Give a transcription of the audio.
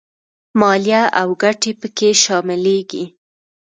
مالیه او ګټې په کې شاملېږي